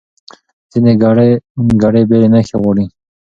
ځینې ګړې بېلې نښې غواړي.